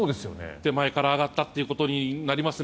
手前から上がったということになりますね。